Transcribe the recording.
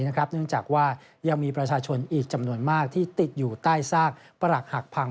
เนื่องจากว่ายังมีประชาชนอีกจำนวนมากที่ติดอยู่ใต้ซากปรักหักพัง